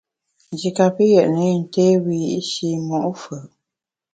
Nji kapi yètne yin té wiyi’shi mo’ fù’.